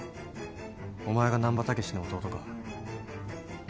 お前が難破猛の弟か。